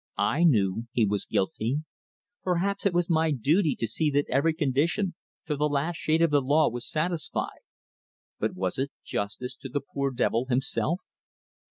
I knew he was guilty. Perhaps it was my duty to see that every condition, to the last shade of the law, was satisfied, but was it justice to the poor devil himself?